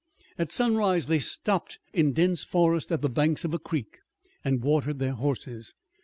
At sunrise they stopped in dense forest at the banks of a creek, and watered their horses.